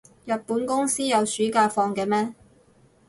日本公司有暑假放嘅咩？